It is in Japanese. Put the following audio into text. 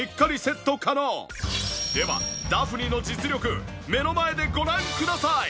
ではダフニの実力目の前でご覧ください！